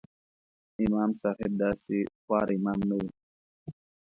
امام صاحب داسې خوار امام نه و.